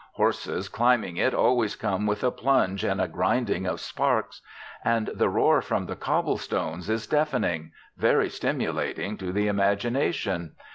Horses climbing it always come with a plunge and a grinding of sparks. And the roar from the cobble stones is deafening, very stimulating to the imagination.